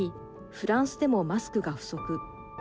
フランスでもマスクが不足。